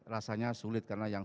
rasanya sulit karena yang